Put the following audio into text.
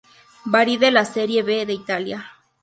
Bari de la Serie B de Italia.